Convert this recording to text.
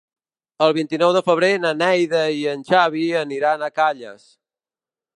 El vint-i-nou de febrer na Neida i en Xavi aniran a Calles.